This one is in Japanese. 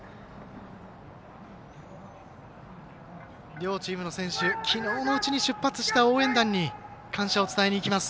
両チームの選手きのうのうちに出発した応援団に感謝を伝えにいきます。